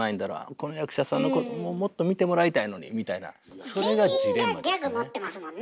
この役者さんのこともっと見てもらいたいのにみたいなそれがジレンマですね。